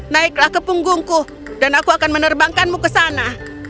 naiklah ke punggungku dan aku akan menerbangkanmu ke sana